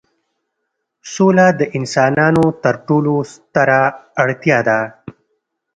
سوله د انسانانو تر ټولو ستره اړتیا ده.